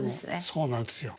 そうなんですよ。